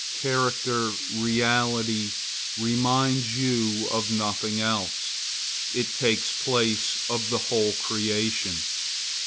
Character, reality, reminds you of nothing else; it takes place of the whole creation.